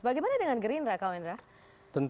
bagaimana dengan gerindra kawan kawan